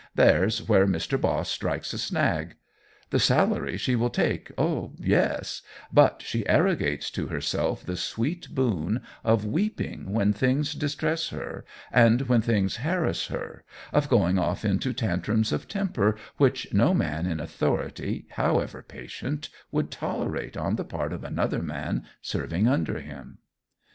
There's where Mr. Boss strikes a snag. The salary she will take oh, yes but she arrogates to herself the sweet boon of weeping when things distress her, and, when things harass her, of going off into tantrums of temper which no man in authority, however patient, would tolerate on the part of another man serving under him.